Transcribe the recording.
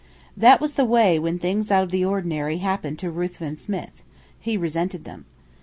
That was the way when things out of the ordinary happened to Ruthven Smith: he resented them.